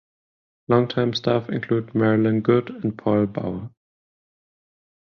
Long time staff include Marilyn Good and Paul Bauer.